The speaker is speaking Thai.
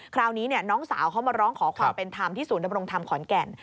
คราวนี้น้องสาวเขามาร้องขอความเป็นธรรมที่ศูนย์ดำรงธรรมขอนแก่น